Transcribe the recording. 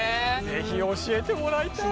是非教えてもらいたい。